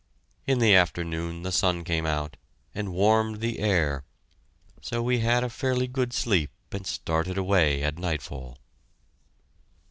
In the afternoon the sun came out and warmed the air, so we had a fairly good sleep and started away at nightfall.